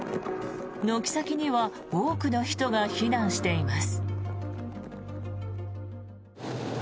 軒先には多くの人が避難しています。